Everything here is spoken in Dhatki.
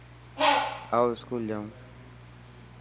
آو اسڪول جائون.